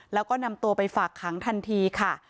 แล้วก็นำตัวไปฝากขังทันทีค่ะ